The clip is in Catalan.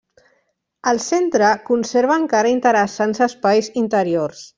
El centre conserva encara interessants espais interiors.